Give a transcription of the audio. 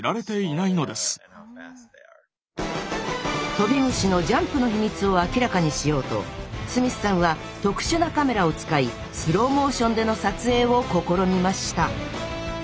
トビムシのジャンプの秘密を明らかにしようとスミスさんは特殊なカメラを使いスローモーションでの撮影を試みました